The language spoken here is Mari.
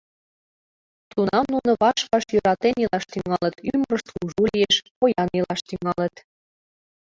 Тунам нуно ваш-ваш йӧратен илаш тӱҥалыт, ӱмырышт кужу лиеш, поян илаш тӱҥалыт.